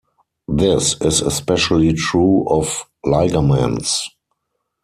This is especially true of ligaments.